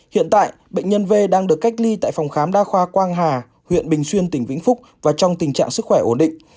hiện tại bệnh nhân v đang được cách ly tại phòng khám đa khoa quang hà huyện bình xuyên tỉnh vĩnh phúc và trong tình trạng sức khỏe ổn định